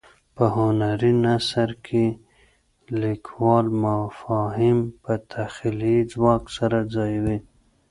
په هنري نثر کې لیکوال مفاهیم په تخیلي ځواک سره ځایوي.